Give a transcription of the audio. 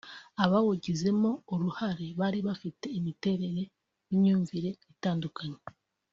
Abawugizemo uruhare bari bafite imiterere n’imyumvire itandukanye